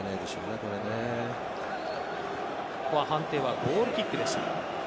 ここは判定はゴールキックでした。